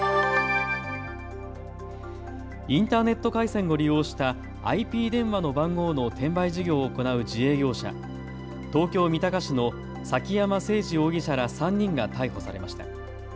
インターネット回線を利用したＩＰ電話の番号の転売事業を行う自営業者、東京三鷹市の崎山聖児容疑者ら３人が逮捕されました。